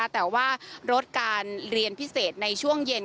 แต่ว่าลดการเรียนพิเศษในช่วงเย็น